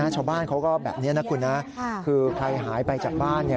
ชาวบ้านเขาก็แบบนี้นะคุณนะคือใครหายไปจากบ้าน